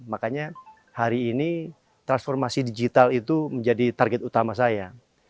makanya hari ini transformasi digital itu menjadi target utama saya